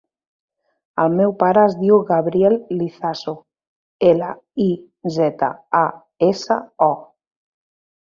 El meu pare es diu Gabriel Lizaso: ela, i, zeta, a, essa, o.